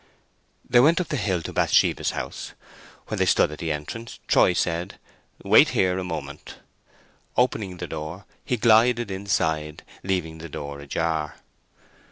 They went up the hill to Bathsheba's house. When they stood at the entrance, Troy said, "Wait here a moment." Opening the door, he glided inside, leaving the door ajar.